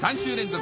３週連続